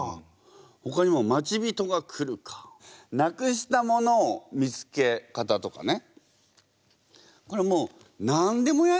ほかにも「待ち人が来るか」「無くしたものを見つけ方」とかね。